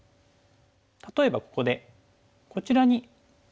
例えばここでこちらにトブ手。